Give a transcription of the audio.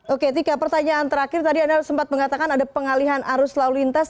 oke tika pertanyaan terakhir tadi anda sempat mengatakan ada pengalihan arus lalu lintas